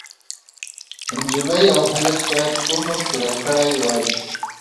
نجلۍ او هلک باید عمر پوره کړی وای.